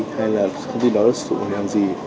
hay là thông tin đó được sử dụng để làm gì